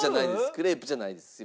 クレープじゃないです。